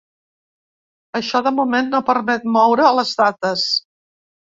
Això, de moment, no permet moure les dates.